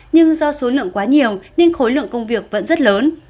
nhưng do số lượng quá nhiều nên khối lượng công việc vẫn rất lớn